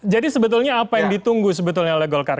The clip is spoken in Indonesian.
jadi sebetulnya apa yang ditunggu sebetulnya oleh golkar